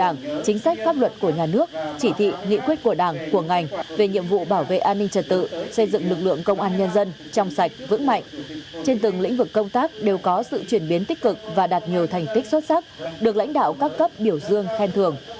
ảnh về nhiệm vụ bảo vệ an ninh trật tự xây dựng lực lượng công an nhân dân trong sạch vững mạnh trên từng lĩnh vực công tác đều có sự chuyển biến tích cực và đạt nhiều thành tích xuất sắc được lãnh đạo các cấp biểu dương khen thường